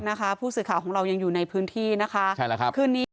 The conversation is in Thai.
นะคะผู้สื่อข่าวของเรายังอยู่ในพื้นที่นะคะ